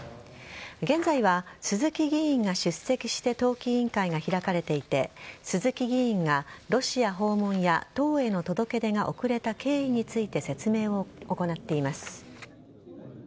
現在は鈴木議員が出席して党紀委員会が開かれていて鈴木議員が、ロシア訪問や党への届け出が遅れた経緯について説明を行っています。